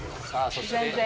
全然。